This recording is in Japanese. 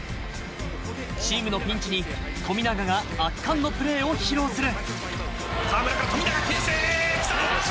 チームのピンチに富永が圧巻のプレーを披露する。